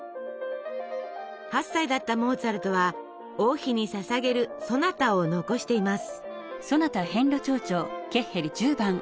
８歳だったモーツァルトは王妃にささげるソナタを残しています。